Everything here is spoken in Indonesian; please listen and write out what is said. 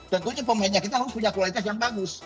tentunya pemainnya kita harus punya kualitas yang bagus